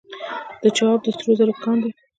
د چاه اب د سرو زرو کان دی